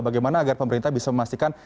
bagaimana agar pemerintah bisa memastikan